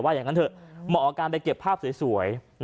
แต่ว่าว่าออกการไปเก็บภาพสวย